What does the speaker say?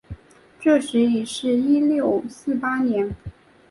这时已是一六四八年。